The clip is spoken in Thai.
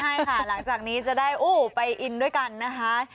เดี๋ยวดาวน์โหลดให้ค่ะหลังจากนี้จะได้อู้วไปอินด้วยกันนะคะ